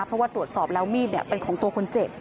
เพราะว่าตรวจสอบแล้วมีดเป็นของตัวคนเจ็บ